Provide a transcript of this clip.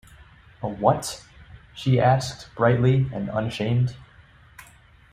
“A what?” she asked brightly and unashamed.